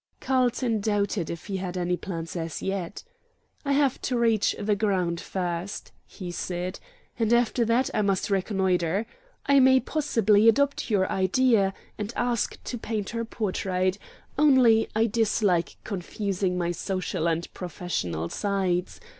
Carlton doubted if he had any plans as yet. "I have to reach the ground first," he said, "and after that I must reconnoitre. I may possibly adopt your idea, and ask to paint her portrait, only I dislike confusing my social and professional sides.